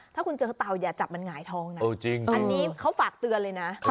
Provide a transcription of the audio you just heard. ถ้าคุณเจอเต่าอย่าจับมันหงายท้องนะอันนี้เขาฝากเตือนเลยนะ